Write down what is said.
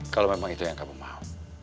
kalau memang itu yang kamu mau